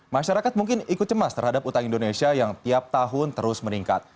masyarakat mungkin ikut cemas terhadap utang indonesia yang tiap tahun terus meningkat